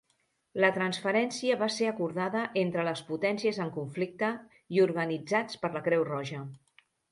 La transferència va ser acordada entre les potències en conflicte i organitzats per la Creu Roja.